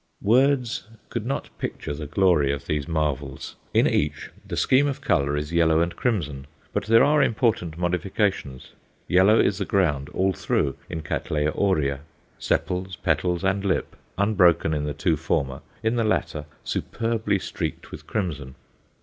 Words could not picture the glory of these marvels. In each the scheme of colour is yellow and crimson, but there are important modifications. Yellow is the ground all through in Cattleya aurea sepals, petals, and lip; unbroken in the two former, in the latter superbly streaked with crimson.